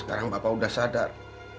sekarang bapak udah sadar